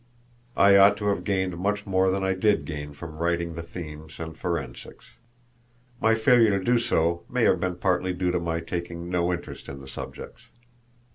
I ought to have gained much more than I did gain from writing the themes and forensics. My failure to do so may have been partly due to my taking no interest in the subjects.